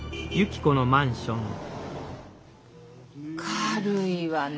軽いわね。